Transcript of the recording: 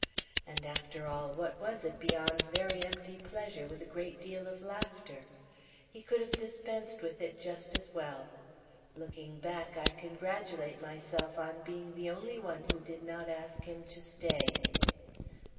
And after all, what was it beyond very empty pleasure, with a great deal of laughter? He could have dispensed with it just as well. Looking back, I congratulate myself on being the only one who did not ask him to stay.